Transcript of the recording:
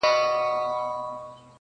موږ یې په لمبه کي د زړه زور وینو!